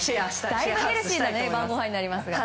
だいぶヘルシーな晩ごはんになりますね。